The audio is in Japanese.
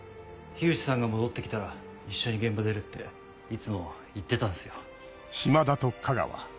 口さんが戻って来たら一緒に現場出るっていつも言ってたんすよ。